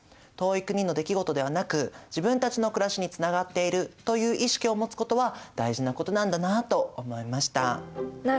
「遠い国のできごと」ではなく「自分たちの暮らし」につながっているという意識を持つことは大事なことなんだなと思いました。